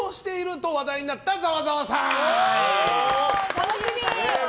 と楽しみ！